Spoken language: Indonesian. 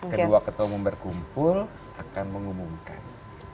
kedua ketua umum berkumpul akan mengumumkan